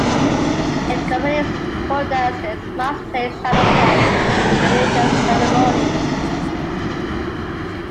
It accompanies court dances, masked plays, shadow plays, and religious ceremonies.